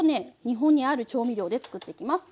日本にある調味料で作っていきます。